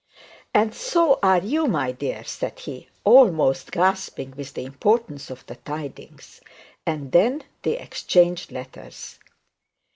'And so are you, my dear,' said he, almost gasping with the importance of the tidings: and then they exchanged letters.